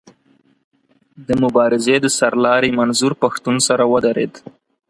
د مبارزې د سر لاري منظور پښتون سره ودرېد.